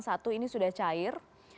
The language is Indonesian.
satu ini sudah cair